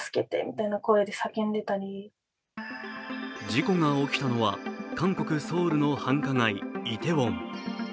事故が起きたのは、韓国ソウルの繁華街・イテウォン。